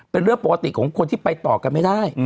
เป็นเรื่องปกติของคนที่ไปต่อกันไม่ได้